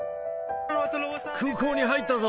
空港に入ったぞ。